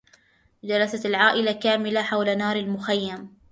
جلست العائلة كاملةً حول نار المخيم.